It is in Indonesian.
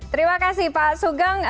terima kasih pak sugeng